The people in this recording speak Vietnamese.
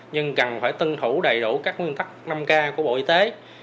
nhưng cần phải tuân thủ đầy đủ các nguyên tắc năm k của bộ y tế